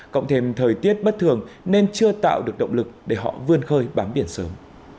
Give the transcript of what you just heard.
cộng thêm thời tiết bất thường nên chưa tạo được động lực để họ vươn khơi bám biển sớm